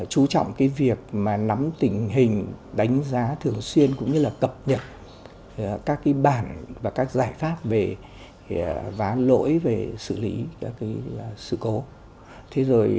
chú trọng việc nắm tình hình đánh giá thường xuyên cũng như cập nhật các bản và các giải pháp về ván lỗi xử lý sự cố